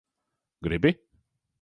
Gribi?